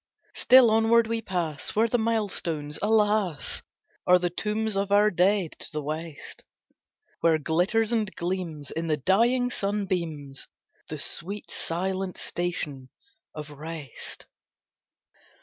Still onward we pass, where the milestones, alas! Are the tombs of our dead, to the West, Where glitters and gleams, in the dying sunbeams, The sweet, silent Station of Rest.